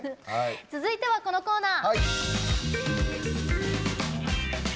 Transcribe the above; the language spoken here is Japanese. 続いては、このコーナー。